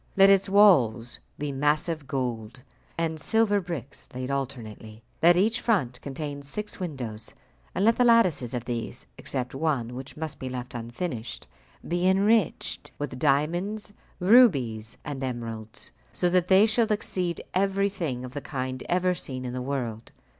Let its walls be massive gold and silver bricks laid alternately. Let each front contain six windows, and let the lattices of these (except one, which must be left unfinished) be enriched with diamonds, rubies, and emeralds, so that they shall exceed everything of the kind ever seen in the world.